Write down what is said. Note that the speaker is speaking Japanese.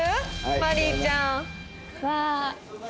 マリーちゃん。